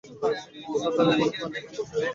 সাঁতার এখনও পারি না।